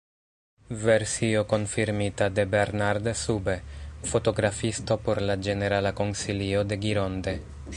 Versio konfirmita de Bernard Sube, fotografisto por la ĝenerala konsilio de Gironde.